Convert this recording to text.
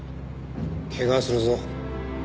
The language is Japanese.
怪我するぞ。